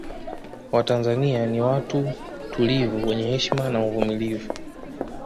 Watanzania ni watu tulivu wenye heshima na uvumulivu